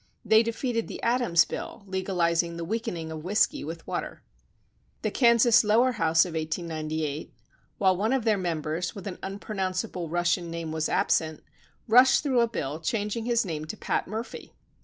They defeated the Adams bill legalizing the weakening of whisky wjth water. The Kansas lower house of 1898, while one of their members with an unpronounce able Russian name was absent, rushed through a bill changing his name to Pat Murphy.